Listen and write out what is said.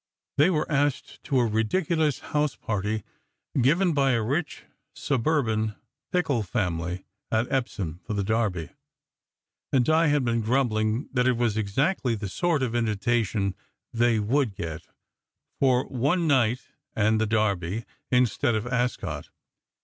They were asked to a ridiculous house party given by a rich, suburban Pickle family at Epsom for the Derby, and Di had been grumbling that it was exactly the sort of invitation they would get : for one night and the Derby, instead of Ascot.